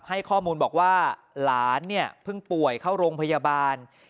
ให้ข้อมูลบอกว่าหลานเนี่ยเพิ่งป่วยเข้าโรงพยาบาล